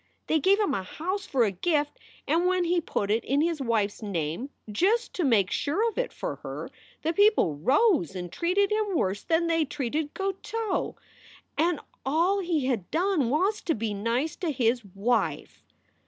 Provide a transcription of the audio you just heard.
They gave him a house for a gift, and w^hen he put it in his wife s name, just to make sure of it for her, the people rose and treated him worse than they treated Guiteau. And all he had done was to be nice to his wife!"